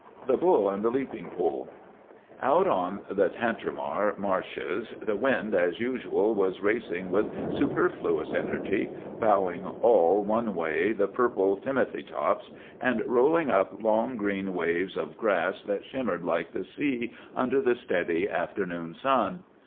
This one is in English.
THE BULL AND THE LEAPING POLE. "Out on the Tantramar marshes the wind, as usual, was racing with superfluous energy, bowing all one way the purple timothy tops, and rolling up long green waves of grass that shimmered like the sea under the steady afternoon sun.